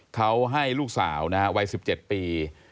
เขาให้ลูกสาวนะฮะวัย๑๗ปี